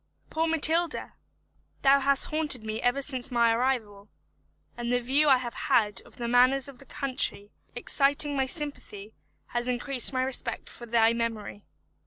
Poor Matilda! thou hast haunted me ever since may arrival; and the view I have had of the manners of the country, exciting my sympathy, has increased my respect for thy memory.